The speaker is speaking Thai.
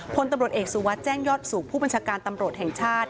พลตำรวจเอกสุวัสดิ์แจ้งยอดสุขผู้บัญชาการตำรวจแห่งชาติ